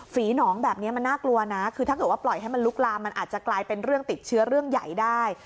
หนองแบบนี้มันน่ากลัวนะคือถ้าเกิดว่าปล่อยให้มันลุกลามมันอาจจะกลายเป็นเรื่องติดเชื้อเรื่องใหญ่ได้